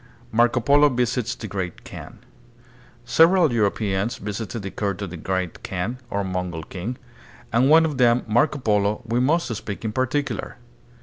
Marco Polo Visits the Great Kaan. Several Euro peans visited the court of the Great Kaan, or Mongol king, and of one of them, Marco Polo, we must speak in particular.